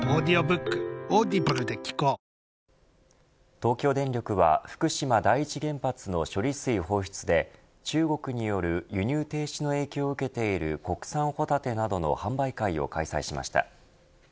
東京電力は福島第一原発の処理水放出で中国による輸入停止の影響を受けている国産ホタテなどの販売会を開催しました。